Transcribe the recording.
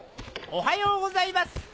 おはようございます！